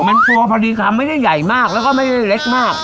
มันตัวพอดีคำไม่ได้ใหญ่มากแล้วก็ไม่ได้เล็กมาก